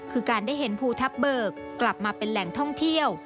คือการได้เห็นภูทับเบิกกลับมาเป็นแหล่งท่องเที่ยว